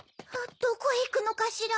どこへいくのかしら？